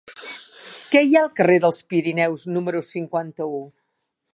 Què hi ha al carrer dels Pirineus número cinquanta-u?